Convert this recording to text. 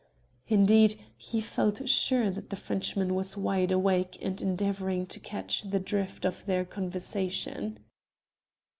Indeed, he felt sure that the Frenchman was wide awake and endeavouring to catch the drift of their conversation.